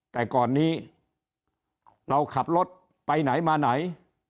แต่ก่อนนี้เราขับรถไปไหนมาไหน